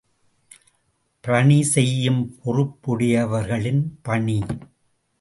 பணி செய்யும் பொறுப்புடையவர்களின் பணி.